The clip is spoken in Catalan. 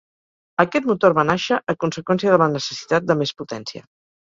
Aquest motor va nàixer a conseqüència de la necessitat de més potència.